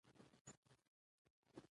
ادارې د خدمت لپاره جوړې شوې دي